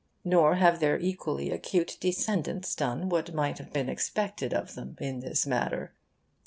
Nor have their equally acute descendants done what might have been expected of them in this matter.